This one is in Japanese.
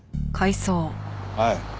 はい。